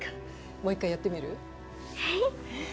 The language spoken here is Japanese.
もう一回やってみる？